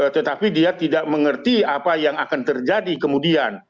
tetapi dia tidak mengerti apa yang akan terjadi kemudian